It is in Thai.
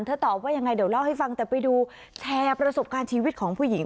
ตอบว่ายังไงเดี๋ยวเล่าให้ฟังแต่ไปดูแชร์ประสบการณ์ชีวิตของผู้หญิง